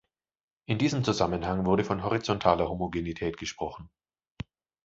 In diesem Zusammenhang wurde von „horizontaler Homogenität“ gesprochen.